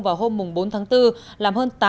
vào hôm bốn tháng bốn làm hơn tám mươi